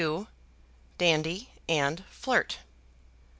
Dandy and Flirt.